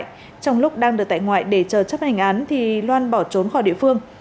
trong lúc đang được tại ngoại để chờ chấp hành án thì loan bỏ trốn khỏi địa phương